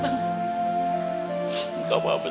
banyak yang dapet